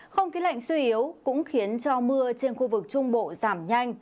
không khí lạnh suy yếu cũng khiến cho mưa trên khu vực trung bộ giảm nhanh